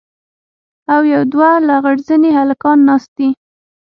او يو دوه لغړ زني هلکان ناست دي.